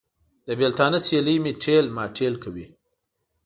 د بېلتانه سیلۍ مې تېل ماټېل کوي.